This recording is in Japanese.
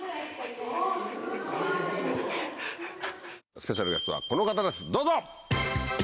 スペシャルゲストはこの方ですどうぞ！